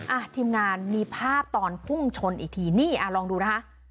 อ่ะทีมงานมีภาพตอนพุ่งชนอีกทีนี่อ่ะลองดูนะคะ